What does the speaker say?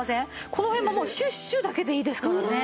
この辺ももうシュッシュだけでいいですからね。